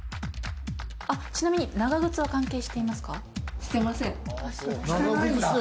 ちなみに長靴は関係していますか？